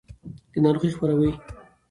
دا ناروغۍ خپروي.